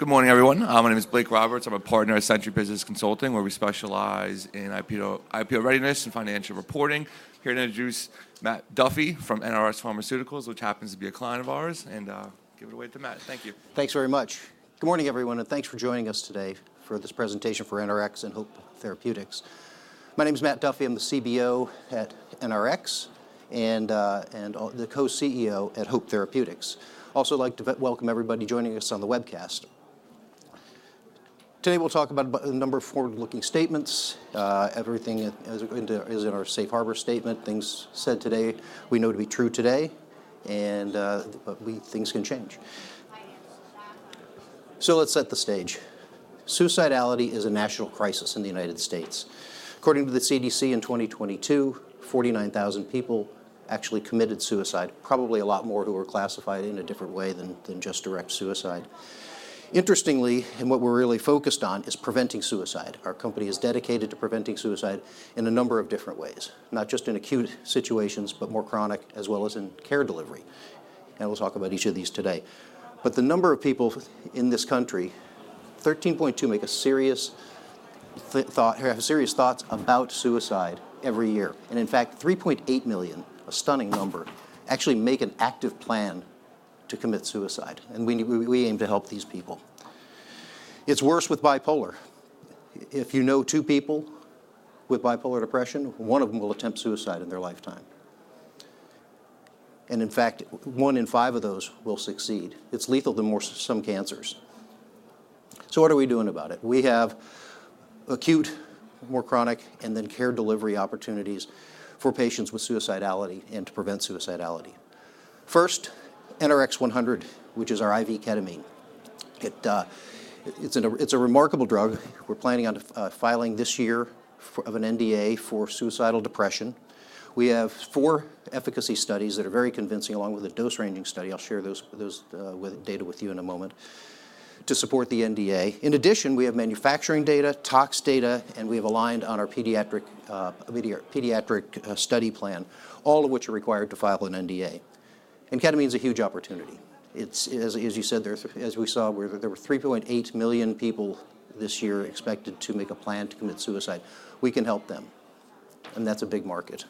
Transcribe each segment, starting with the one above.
Good morning, everyone. My name is Blake Roberts. I'm a partner at Centri Business Consulting, where we specialize in IPO readiness and financial reporting. Here to introduce Matt Duffy from NRx Pharmaceuticals, which happens to be a client of ours, and give it away to Matt. Thank you. Thanks very much. Good morning, everyone, and thanks for joining us today for this presentation for NRx and Hope Therapeutics. My name is Matt Duffy. I'm the CBO at NRx and the co-CEO at Hope Therapeutics. I'd also like to welcome everybody joining us on the webcast. Today we'll talk about a number of forward-looking statements. Everything is in our Safe Harbor statement. Things said today we know to be true today, but things can change. So let's set the stage. Suicidality is a national crisis in the United States. According to the CDC, in 2022, 49,000 people actually committed suicide, probably a lot more who were classified in a different way than just direct suicide. Interestingly, and what we're really focused on is preventing suicide. Our company is dedicated to preventing suicide in a number of different ways, not just in acute situations, but more chronic, as well as in care delivery. And we'll talk about each of these today. But the number of people in this country, 13.2 million make serious thoughts about suicide every year. And in fact, 3.8 million, a stunning number, actually make an active plan to commit suicide. And we aim to help these people. It's worse with bipolar. If you know two people with bipolar depression, one of them will attempt suicide in their lifetime. And in fact, one in five of those will succeed. It's lethal as some cancers. So what are we doing about it? We have acute, more chronic, and then care delivery opportunities for patients with suicidality and to prevent suicidality. First, NRx-100, which is our IV ketamine. It's a remarkable drug. We're planning on filing this year of an NDA for suicidal depression. We have four efficacy studies that are very convincing, along with a dose-ranging study. I'll share those data with you in a moment to support the NDA. In addition, we have manufacturing data, tox data, and we have aligned on our pediatric study plan, all of which are required to file an NDA, and ketamine is a huge opportunity. As you said, as we saw, there were 3.8 million people this year expected to make a plan to commit suicide. We can help them, and that's a big market.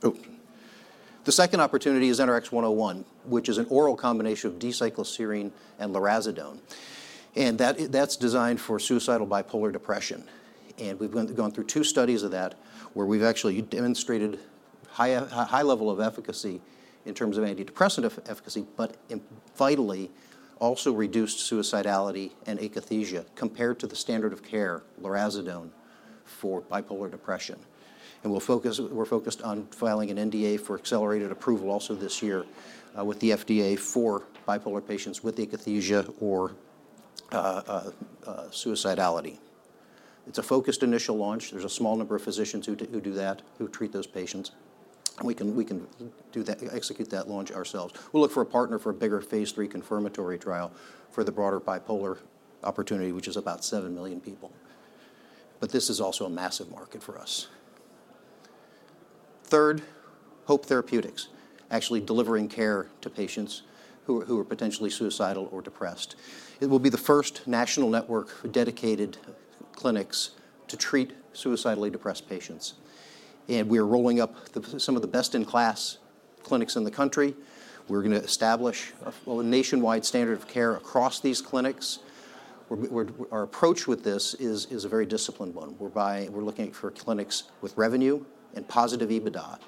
The second opportunity is NRx-101, which is an oral combination of D-cycloserine and lurasidone, and that's designed for suicidal bipolar depression. And we've gone through two studies of that where we've actually demonstrated a high level of efficacy in terms of antidepressant efficacy, but vitally also reduced suicidality and akathisia compared to the standard of care, lurasidone, for bipolar depression. And we're focused on filing an NDA for accelerated approval also this year with the FDA for bipolar patients with akathisia or suicidality. It's a focused initial launch. There's a small number of physicians who do that, who treat those patients. We can execute that launch ourselves. We'll look for a partner for a bigger Phase 3 confirmatory trial for the broader bipolar opportunity, which is about seven million people. But this is also a massive market for us. Third, Hope Therapeutics is actually delivering care to patients who are potentially suicidal or depressed. It will be the first national network dedicated clinics to treat suicidally depressed patients. We are rolling up some of the best-in-class clinics in the country. We're going to establish a nationwide standard of care across these clinics. Our approach with this is a very disciplined one. We're looking for clinics with revenue and positive EBITDA.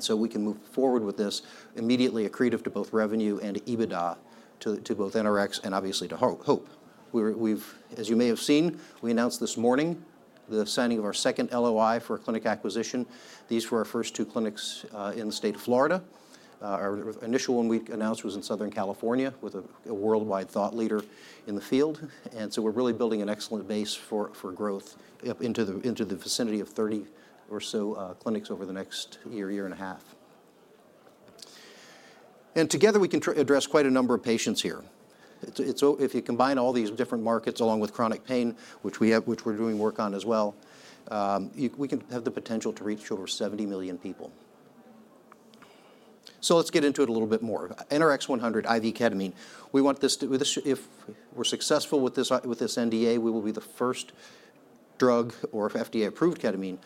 So we can move forward with this immediately accretive to both revenue and EBITDA to both NRx and obviously to Hope. As you may have seen, we announced this morning the signing of our second LOI for a clinic acquisition. These were our first two clinics in the state of Florida. Our initial one we announced was in Southern California with a worldwide thought leader in the field. So we're really building an excellent base for growth into the vicinity of 30 or so clinics over the next year, year and a half. Together, we can address quite a number of patients here. If you combine all these different markets along with chronic pain, which we're doing work on as well, we can have the potential to reach over 70 million people, so let's get into it a little bit more. NRx-100, IV ketamine. If we're successful with this NDA, we will be the first drug, or FDA-approved ketamine,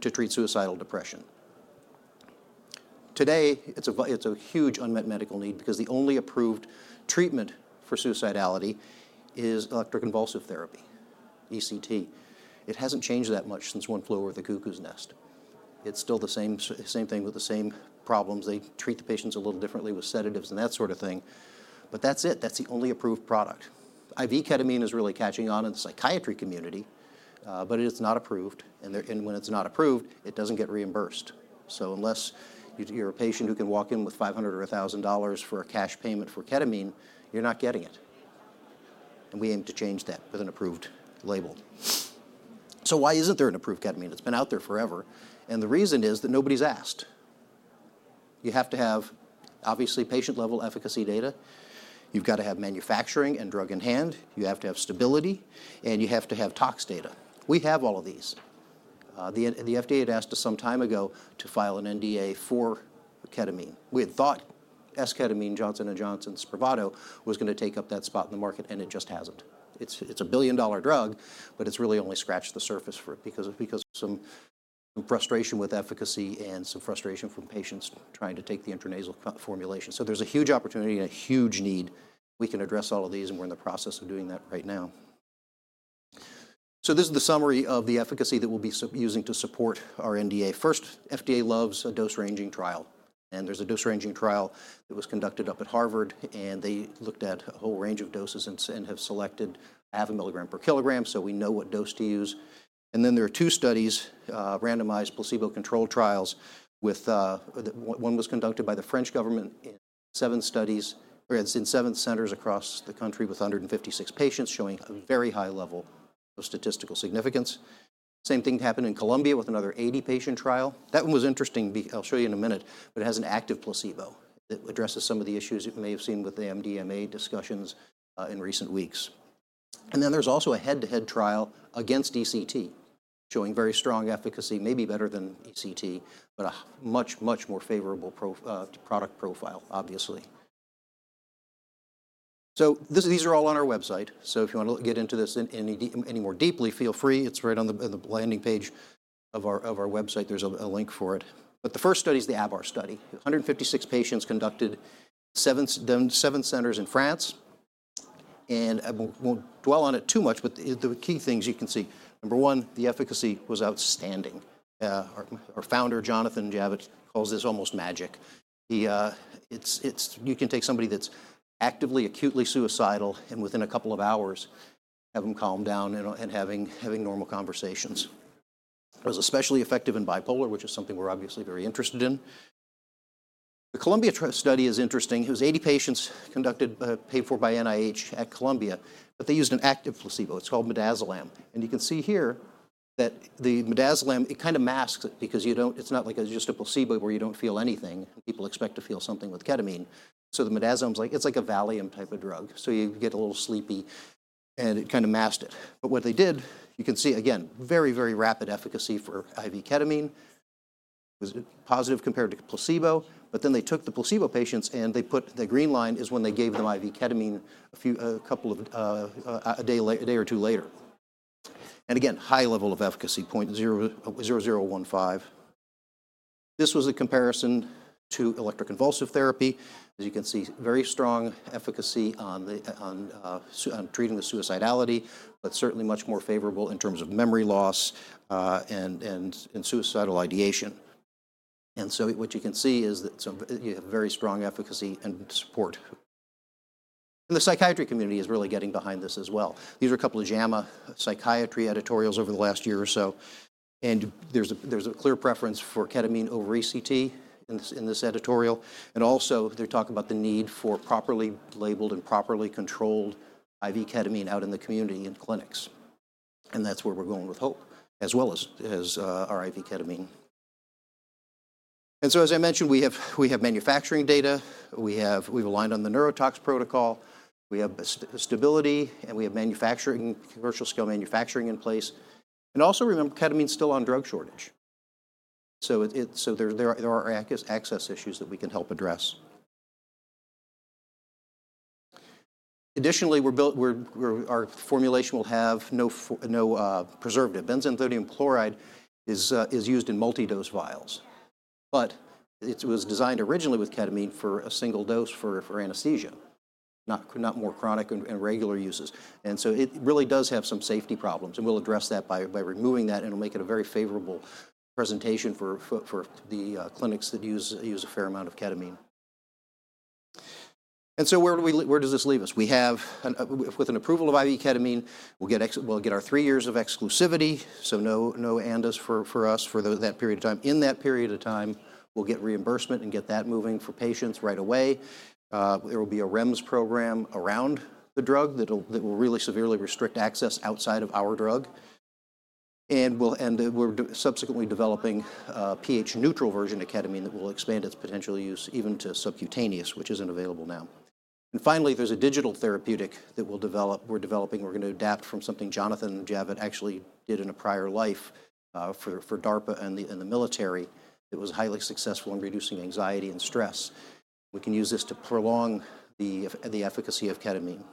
to treat suicidal depression. Today, it's a huge unmet medical need because the only approved treatment for suicidality is electroconvulsive therapy, ECT. It hasn't changed that much since One Flew Over the Cuckoo's Nest. It's still the same thing with the same problems. They treat the patients a little differently with sedatives and that sort of thing, but that's it. That's the only approved product. IV ketamine is really catching on in the psychiatry community, but it's not approved and when it's not approved, it doesn't get reimbursed. So unless you're a patient who can walk in with $500 or $1,000 for a cash payment for ketamine, you're not getting it. And we aim to change that with an approved label. So why isn't there an approved ketamine? It's been out there forever. And the reason is that nobody's asked. You have to have, obviously, patient-level efficacy data. You've got to have manufacturing and drug in hand. You have to have stability. And you have to have tox data. We have all of these. The FDA had asked us some time ago to file an NDA for ketamine. We had thought esketamine, Johnson & Johnson Spravato, was going to take up that spot in the market, and it just hasn't. It's a billion-dollar drug, but it's really only scratched the surface for it because of some frustration with efficacy and some frustration from patients trying to take the intranasal formulation. So there's a huge opportunity and a huge need. We can address all of these, and we're in the process of doing that right now. So this is the summary of the efficacy that we'll be using to support our NDA. First, the FDA loves a dose-ranging trial. And there's a dose-ranging trial that was conducted up at Harvard, and they looked at a whole range of doses and have selected half a milligram per kilogram, so we know what dose to use. And then there are two studies, randomized placebo-controlled trials. One was conducted by the French government in seven centers across the country with 156 patients, showing a very high level of statistical significance. Same thing happened in Columbia with another 80-patient trial. That one was interesting. I'll show you in a minute, but it has an active placebo. It addresses some of the issues you may have seen with the MDMA discussions in recent weeks, and then there's also a head-to-head trial against ECT, showing very strong efficacy, maybe better than ECT, but a much, much more favorable product profile, obviously, so these are all on our website, so if you want to get into this any more deeply, feel free. It's right on the landing page of our website. There's a link for it, but the first study is the Abbar study, 156 patients conducted in seven centers in France, and I won't dwell on it too much, but the key things you can see. Number one, the efficacy was outstanding. Our founder, Jonathan Javitt, calls this almost magic. You can take somebody that's actively, acutely suicidal and within a couple of hours have them calm down and having normal conversations. It was especially effective in bipolar, which is something we're obviously very interested in. The Columbia study is interesting. It was 80 patients paid for by NIH at Columbia, but they used an active placebo. It's called midazolam, and you can see here that the midazolam, it kind of masks it because it's not like just a placebo where you don't feel anything. People expect to feel something with ketamine, so the midazolam is like a Valium type of drug, so you get a little sleepy, and it kind of masked it, but what they did, you can see, again, very, very rapid efficacy for IV ketamine. It was positive compared to placebo. But then they took the placebo patients, and the green line is when they gave them IV ketamine a day or two later. And again, high level of efficacy, 0.0015. This was a comparison to electroconvulsive therapy. As you can see, very strong efficacy on treating the suicidality, but certainly much more favorable in terms of memory loss and suicidal ideation. And so what you can see is that you have very strong efficacy and support. And the psychiatry community is really getting behind this as well. These are a couple of JAMA Psychiatry editorials over the last year or so. And there's a clear preference for ketamine over ECT in this editorial. And also, they're talking about the need for properly labeled and properly controlled IV ketamine out in the community in clinics. And that's where we're going with Hope, as well as our IV ketamine. As I mentioned, we have manufacturing data. We've aligned on the neurotox protocol. We have stability, and we have commercial-scale manufacturing in place. Also, remember, ketamine is still on drug shortage. There are access issues that we can help address. Additionally, our formulation will have no preservative. Benzalkonium chloride is used in multi-dose vials. It was designed originally with ketamine for a single dose for anesthesia, not more chronic and regular uses. It really does have some safety problems. We'll address that by removing that, and it'll make it a very favorable presentation for the clinics that use a fair amount of ketamine. Where does this leave us? With an approval of IV ketamine, we'll get our three years of exclusivity. No ANDAs for us for that period of time. In that period of time, we'll get reimbursement and get that moving for patients right away. There will be a REMS program around the drug that will really severely restrict access outside of our drug. And we're subsequently developing a pH-neutral version of ketamine that will expand its potential use even to subcutaneous, which isn't available now. And finally, there's a digital therapeutic that we're developing. We're going to adapt from something Jonathan Javitt actually did in a prior life for DARPA and the military that was highly successful in reducing anxiety and stress. We can use this to prolong the efficacy of ketamine.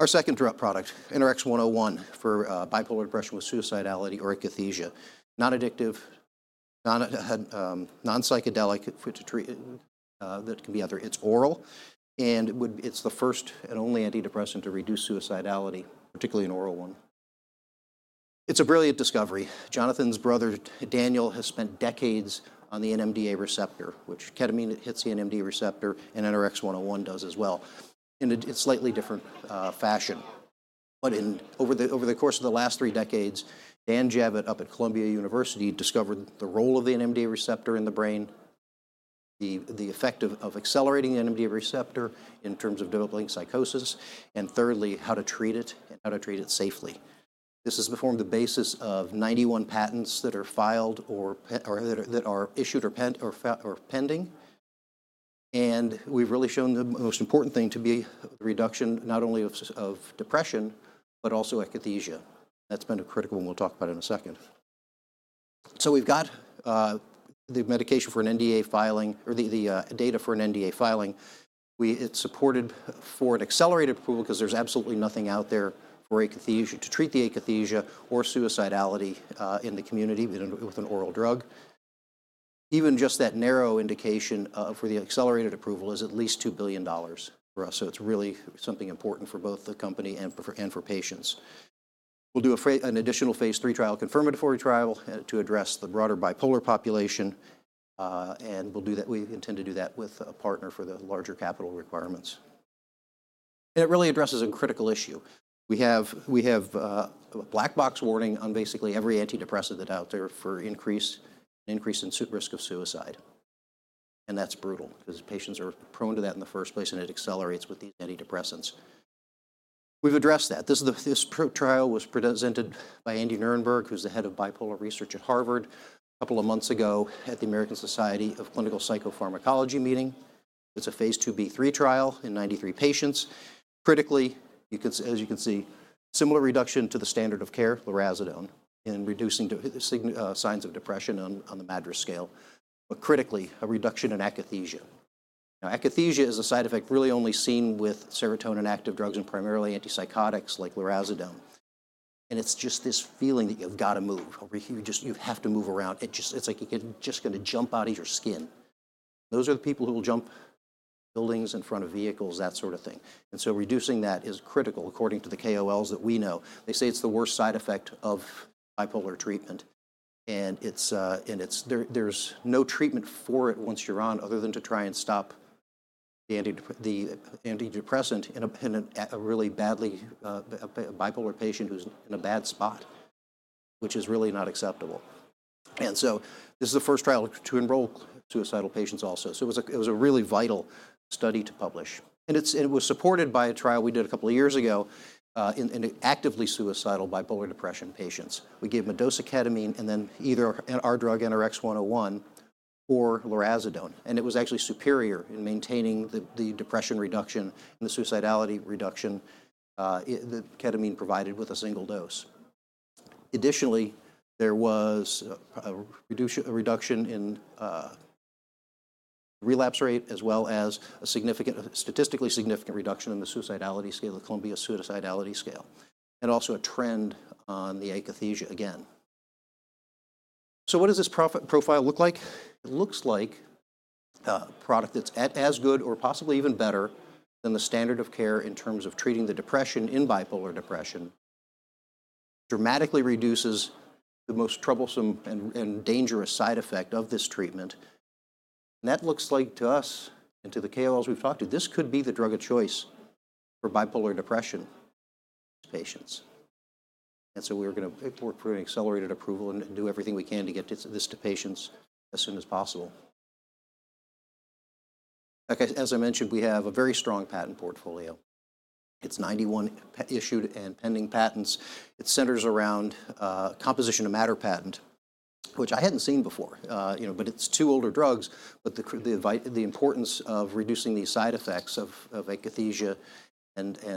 Our second drug product, NRx-101, for bipolar depression with suicidality or akathisia. Non-addictive, non-psychedelic, that can be either it's oral. And it's the first and only antidepressant to reduce suicidality, particularly an oral one. It's a brilliant discovery. Jonathan's brother, Daniel, has spent decades on the NMDA receptor, which ketamine hits the NMDA receptor, and NRx-101 does as well. In a slightly different fashion. But over the course of the last three decades, Dan Javitt up at Columbia University discovered the role of the NMDA receptor in the brain, the effect of accelerating the NMDA receptor in terms of developing psychosis, and thirdly, how to treat it and how to treat it safely. This has formed the basis of 91 patents that are filed or that are issued or pending. And we've really shown the most important thing to be the reduction not only of depression, but also akathisia. That's been critical, and we'll talk about it in a second. So we've got the medication for an NDA filing or the data for an NDA filing. It's supported for an accelerated approval because there's absolutely nothing out there for akathisia to treat the akathisia or suicidality in the community with an oral drug. Even just that narrow indication for the accelerated approval is at least $2 billion for us. So it's really something important for both the company and for patients. We'll do an additional phase three trial, a confirmatory trial to address the broader bipolar population. And we intend to do that with a partner for the larger capital requirements. And it really addresses a critical issue. We have a black box warning on basically every antidepressant that's out there for increase in risk of suicide. And that's brutal because patients are prone to that in the first place, and it accelerates with these antidepressants. We've addressed that. This trial was presented by Andy Nirenberg, who's the head of bipolar research at Harvard, a couple of months ago at the American Society of Clinical Psychopharmacology meeting. It's a Phase 2b/3 trial in 93 patients. Critically, as you can see, similar reduction to the standard of care, lurasidone, in reducing signs of depression on the MADRS scale but critically, a reduction in akathisia. Now, akathisia is a side effect really only seen with serotonin-active drugs and primarily antipsychotics like lurasidone and it's just this feeling that you've got to move. You have to move around. It's like you're just going to jump out of your skin. Those are the people who will jump buildings in front of vehicles, that sort of thing and so reducing that is critical, according to the KOLs that we know. They say it's the worst side effect of bipolar treatment. And there's no treatment for it once you're on, other than to try and stop the antidepressant in a really badly bipolar patient who's in a bad spot, which is really not acceptable. And so this is the first trial to enroll suicidal patients also. So it was a really vital study to publish. And it was supported by a trial we did a couple of years ago in actively suicidal bipolar depression patients. We gave them a dose of ketamine and then either our drug, NRX-101, or lurasidone. And it was actually superior in maintaining the depression reduction and the suicidality reduction that ketamine provided with a single dose. Additionally, there was a reduction in relapse rate, as well as a statistically significant reduction in the suicidality scale, the Columbia suicidality scale. And also a trend on the akathisia again. So what does this profile look like? It looks like a product that's as good or possibly even better than the standard of care in terms of treating the depression in bipolar depression, dramatically reduces the most troublesome and dangerous side effect of this treatment. And that looks like to us and to the KOLs we've talked to, this could be the drug of choice for bipolar depression in these patients. And so we're going to put an accelerated approval and do everything we can to get this to patients as soon as possible. As I mentioned, we have a very strong patent portfolio. It's 91 issued and pending patents. It centers around composition of matter patent, which I hadn't seen before. But it's two older drugs, but the importance of reducing these side effects of akathisia and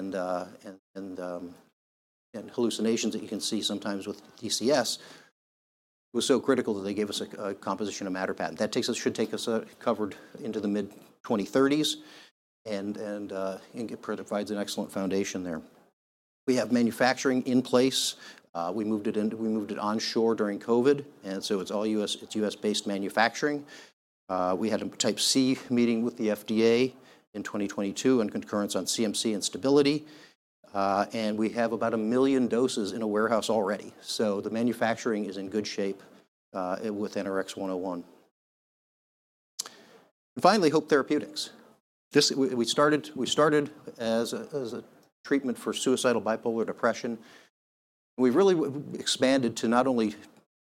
hallucinations that you can see sometimes with DCS was so critical that they gave us a composition of matter patent. That should take us covered into the mid-2030s and provides an excellent foundation there. We have manufacturing in place. We moved it onshore during COVID. And so it's U.S.-based manufacturing. We had a Type C meeting with the FDA in 2022 on concurrence on CMC and stability. And we have about a million doses in a warehouse already. So the manufacturing is in good shape with NRX-101. And finally, Hope Therapeutics. We started as a treatment for suicidal bipolar depression. We've really expanded to not only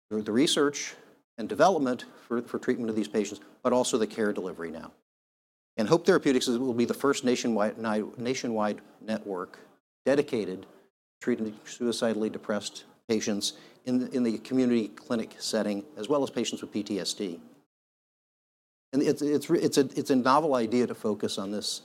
the research and development for treatment of these patients, but also the care delivery now. Hope Therapeutics will be the first nationwide network dedicated to treating suicidally depressed patients in the community clinic setting, as well as patients with PTSD. It's a novel idea to focus on this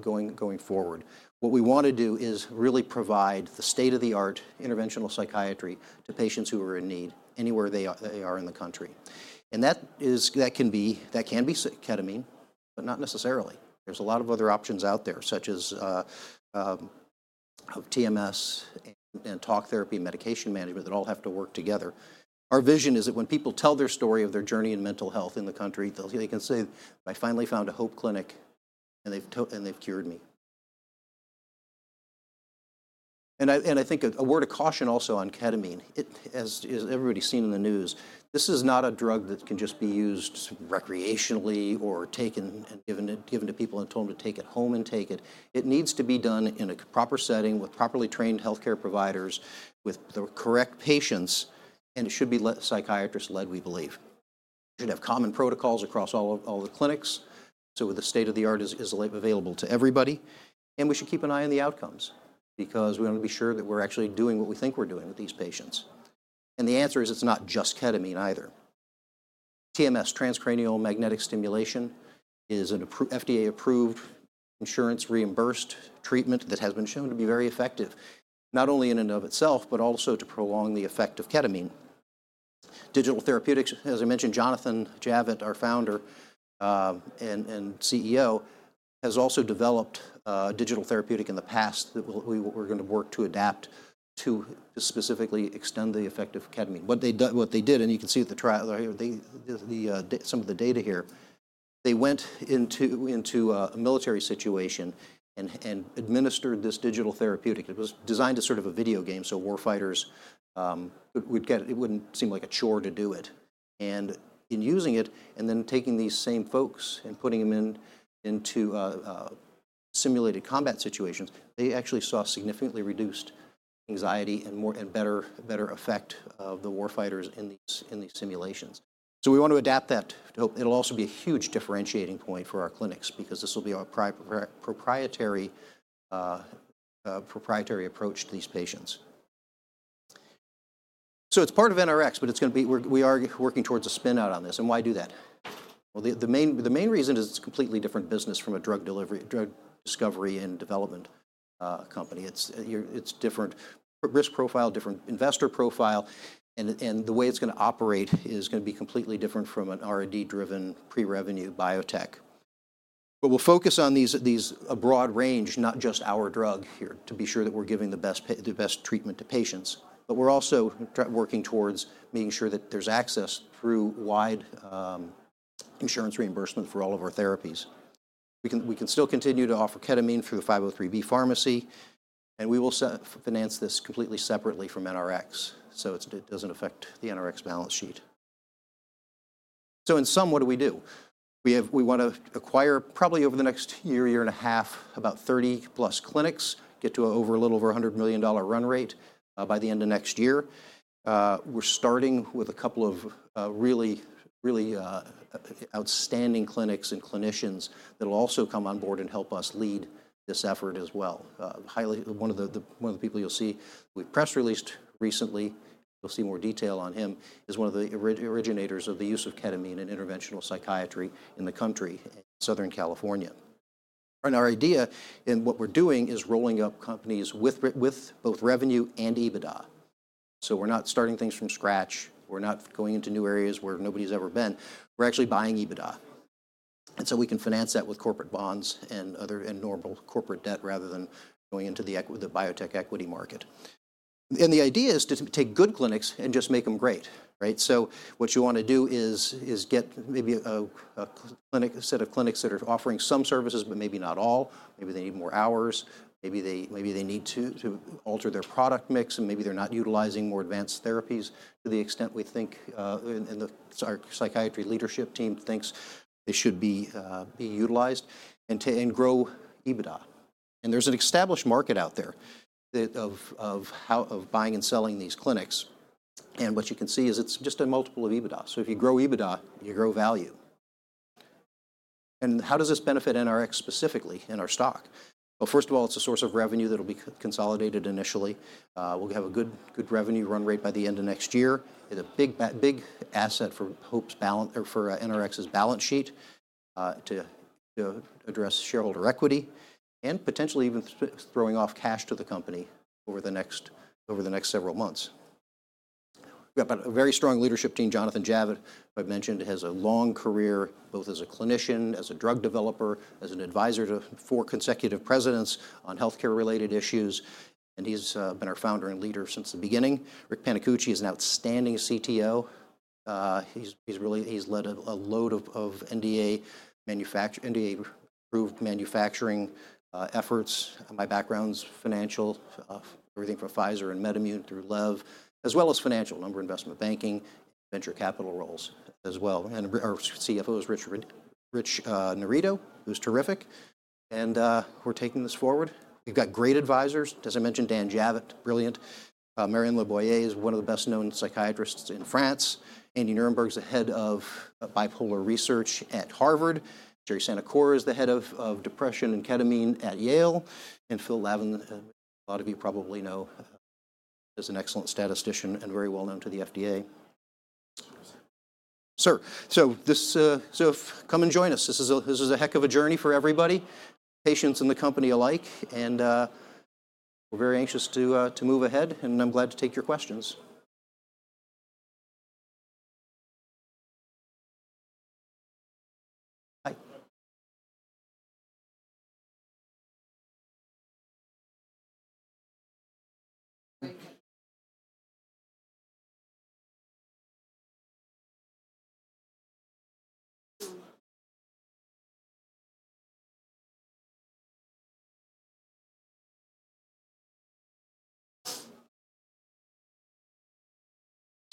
going forward. What we want to do is really provide the state-of-the-art interventional psychiatry to patients who are in need anywhere they are in the country. That can be ketamine, but not necessarily. There's a lot of other options out there, such as TMS and talk therapy and medication management that all have to work together. Our vision is that when people tell their story of their journey in mental health in the country, they can say, "I finally found a Hope clinic, and they've cured me." And I think a word of caution also on ketamine, as everybody's seen in the news, this is not a drug that can just be used recreationally or taken and given to people and told them to take it home and take it. It needs to be done in a proper setting with properly trained healthcare providers with the correct patients. And it should be psychiatrist-led, we believe. We should have common protocols across all the clinics. So the state-of-the-art is available to everybody. And we should keep an eye on the outcomes because we want to be sure that we're actually doing what we think we're doing with these patients. The answer is it's not just ketamine either. TMS, transcranial magnetic stimulation, is an FDA-approved, insurance-reimbursed treatment that has been shown to be very effective, not only in and of itself, but also to prolong the effect of ketamine. Digital therapeutics, as I mentioned, Jonathan Javitt, our founder and CEO, has also developed a digital therapeutic in the past that we're going to work to adapt to specifically extend the effect of ketamine. What they did, and you can see some of the data here, they went into a military situation and administered this digital therapeutic. It was designed as sort of a video game, so war fighters would get it, it wouldn't seem like a chore to do it. In using it and then taking these same folks and putting them into simulated combat situations, they actually saw significantly reduced anxiety and better effect of the war fighters in these simulations. We want to adapt that. It'll also be a huge differentiating point for our clinics because this will be a proprietary approach to these patients. It's part of NRx, but we are working towards a spin-out on this. Why do that? The main reason is it's a completely different business from a drug discovery and development company. It's different risk profile, different investor profile. The way it's going to operate is going to be completely different from an R&D-driven pre-revenue biotech. We'll focus on this broad range, not just our drug here, to be sure that we're giving the best treatment to patients. But we're also working towards making sure that there's access through wide insurance reimbursement for all of our therapies. We can still continue to offer ketamine through the 503(b) pharmacy. And we will finance this completely separately from NRx, so it doesn't affect the NRx balance sheet. So in sum, what do we do? We want to acquire probably over the next year, year and a half, about 30-plus clinics, get to a little over a $100 million run rate by the end of next year. We're starting with a couple of really outstanding clinics and clinicians that will also come on board and help us lead this effort as well. One of the people you'll see we press released recently, you'll see more detail on him, is one of the originators of the use of ketamine in interventional psychiatry in the country in Southern California. And our idea in what we're doing is rolling up companies with both revenue and EBITDA. So we're not starting things from scratch. We're not going into new areas where nobody's ever been. We're actually buying EBITDA. And so we can finance that with corporate bonds and normal corporate debt rather than going into the biotech equity market. And the idea is to take good clinics and just make them great. So what you want to do is get maybe a set of clinics that are offering some services, but maybe not all. Maybe they need more hours. Maybe they need to alter their product mix, and maybe they're not utilizing more advanced therapies to the extent we think, and our psychiatry leadership team thinks they should be utilized and grow EBITDA. And there's an established market out there of buying and selling these clinics. What you can see is it's just a multiple of EBITDA. If you grow EBITDA, you grow value. How does this benefit NRx specifically in our stock? First of all, it's a source of revenue that will be consolidated initially. We'll have a good revenue run rate by the end of next year. It's a big asset for NRx's balance sheet to address shareholder equity and potentially even throwing off cash to the company over the next several months. We have a very strong leadership team. Jonathan Javitt, I've mentioned, has a long career both as a clinician, as a drug developer, as an advisor to four consecutive presidents on healthcare-related issues. He's been our founder and leader since the beginning. Rick Panicucci is an outstanding CTO. He's led a load of NDA-approved manufacturing efforts. My background's financial, everything from Pfizer and MedImmune through Lev, as well as financial, numerous investment banking, and venture capital roles as well. Our CFO is Richard Narido, who's terrific. We're taking this forward. We've got great advisors. As I mentioned, Dan Javitt, brilliant. Marion Leboyer is one of the best-known psychiatrists in France. Andy Nirenberg's the head of bipolar research at Harvard. Gerard Sanacora is the head of depression and ketamine at Yale. Phil Lavin, a lot of you probably know, is an excellent statistician and very well-known to the FDA. So come and join us. This is a heck of a journey for everybody, patients and the company alike. We're very anxious to move ahead. I'm glad to take your questions.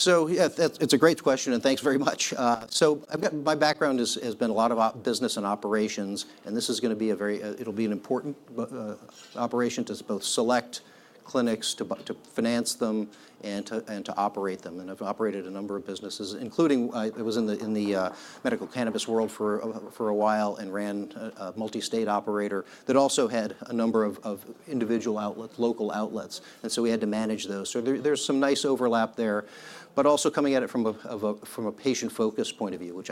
It's a great question. Thanks very much. My background has been a lot of business and operations. This is going to be a very important operation to both select clinics, to finance them, and to operate them. I've operated a number of businesses, including I was in the medical cannabis world for a while and ran a multi-state operator that also had a number of individual outlets, local outlets. We had to manage those. There's some nice overlap there, but also coming at it from a patient-focused point of view, which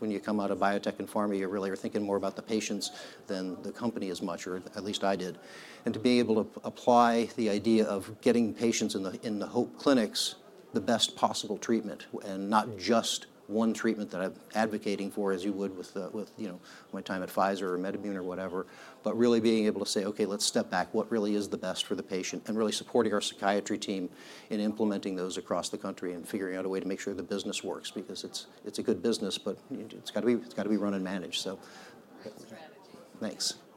when you come out of biotech and pharma, you really are thinking more about the patients than the company as much, or at least I did. And to be able to apply the idea of getting patients in the Hope clinics the best possible treatment and not just one treatment that I'm advocating for, as you would with my time at Pfizer or MedImmune or whatever, but really being able to say, "Okay, let's step back. What really is the best for the patient?" And really supporting our psychiatry team in implementing those across the country and figuring out a way to make sure the business works because it's a good business, but it's got to be run and managed. So thanks. Any other questions? Obviously,